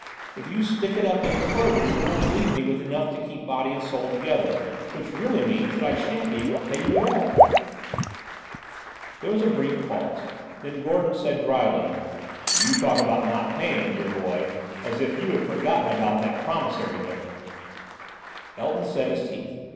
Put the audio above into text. If you stick it up any farther you won't leave me enough to keep body and soul together; which really means that I shan't be able to pay you at all." There was a brief pause; then Gordon said dryly: "You talk about not paying, dear boy, as if you had forgotten about that promissory note." Elton set his teeth.